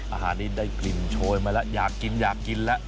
อาหารนี้ได้กลิ่นโชยมาแล้วอยากกินอยากกินแล้ว